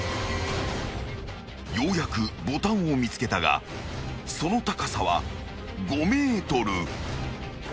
［ようやくボタンを見つけたがその高さは５ｍ］